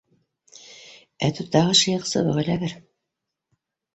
Әтү тағы шыйыҡ сыбыҡ эләгер!